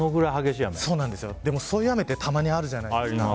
でも、そういう雨ってたまにあるじゃないですか。